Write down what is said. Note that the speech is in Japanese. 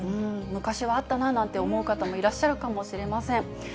昔はあったななんて、思う方もいらっしゃるかもしれません。